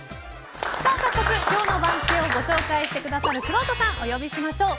早速、今日の番付をご紹介してくださるくろうとさんをお呼びしましょう。